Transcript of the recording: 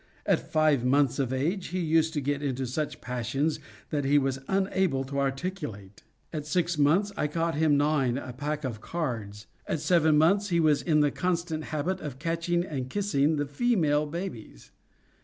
At five months of age he used to get into such passions that he was unable to articulate. At six months, I caught him gnawing a pack of cards. At seven months he was in the constant habit of catching and kissing the female babies.